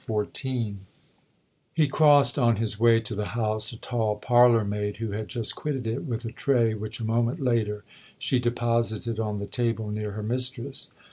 XIV HE crossed on his way to the house a tall parlour maid who had just quitted it with a tray which a moment later she deposited on the table near her mistress.